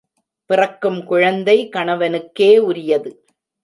பிறக்கும் குழந்தை கணவனுக்கே உரியது.